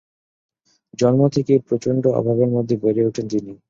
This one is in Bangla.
জন্ম থেকেই প্রচন্ড অভাবের মধ্যে বেড়ে উঠেন তিনি।